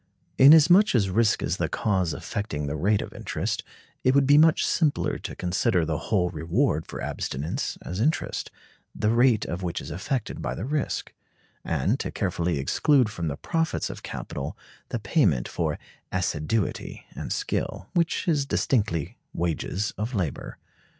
Inasmuch as risk is the cause affecting the rate of interest, it would be much simpler to consider the whole reward for abstinence as interest, the rate of which is affected by the risk; and to carefully exclude from the profits of capital the payment for "assiduity and skill," which is distinctly wages of labor.